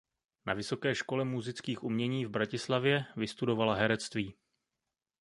Na Vysoké škole múzických umění v Bratislavě vystudovala herectví.